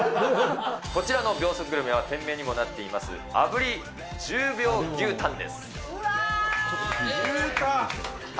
こちらの秒速グルメは、店名にもなっています、炙り１０秒牛タンです。